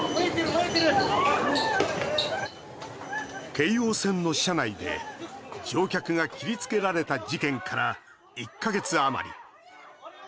京王線の車内で乗客が切りつけられた事件から１か月余り。